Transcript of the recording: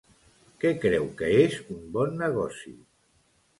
Què creu que és un bon negoci?